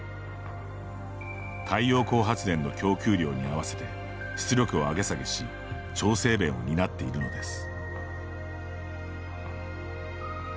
太陽光発電の供給量に合わせて出力を上げ下げし調整弁を担っているのです。